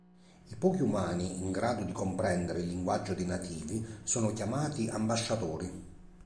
I pochi umani in grado di comprendere il linguaggio dei nativi sono chiamati "Ambasciatori".